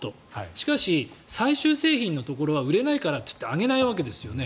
しかし、最終製品のところは売れないからと言って上げないわけですよね。